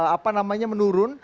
apa namanya menurun